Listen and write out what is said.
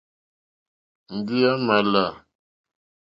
Ndí à mà lá.